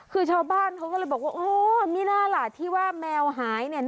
คือชาวบ้านเขาก็เลยบอกว่าอ๋อนี่น่ารักที่ว่าแมวหายเนี่ย